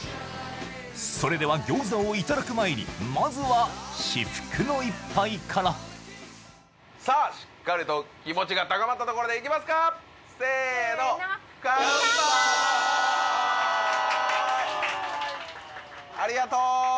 それでは餃子をいただく前にまずは至福の一杯からさあしっかりと気持ちが高まったところでいきますかせのせのありがとう！